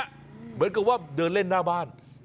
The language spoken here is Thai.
เหมือนกับว่าเดินเล่นหน้าบ้าน